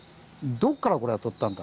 どっからこれは取ったんだ？」